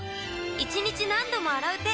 一日何度も洗う手